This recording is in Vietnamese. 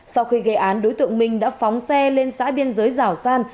sau khi gây án đối tượng minh đã phóng xe lên xã biên giới giảo san